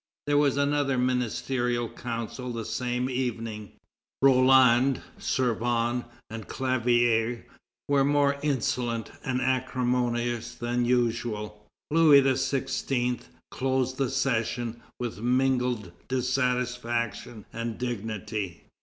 There was another ministerial council the same evening. Roland, Servan, and Clavière were more insolent and acrimonious than usual. Louis XVI. closed the session with mingled dissatisfaction and dignity.